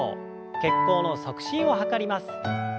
血行の促進を図ります。